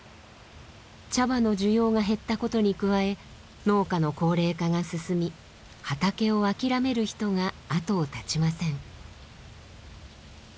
茶葉の需要が減ったことに加え農家の高齢化が進み畑を諦める人が後を絶ちません。